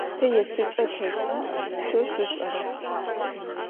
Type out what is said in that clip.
Te yêsıç'e teş'e, şso şsuş'erep.